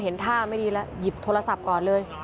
ท่าไม่ดีแล้วหยิบโทรศัพท์ก่อนเลย